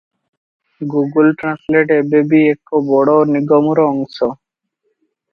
Google translate ଏବେ ବି ଏକ ବଡ଼ ନିଗମର ଅଂଶ ।